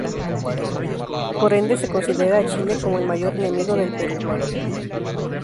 Por ende, se considera a Chile como el mayor enemigo del Perú.